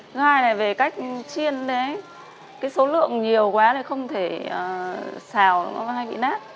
thứ hai là về cách chiên số lượng nhiều quá không thể xào hay bị nát